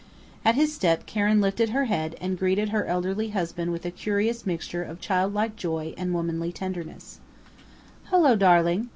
At his step Karen lifted her head and greeted her elderly husband with a curious mixture of childlike joy and womanly tenderness: "Hullo, darling!...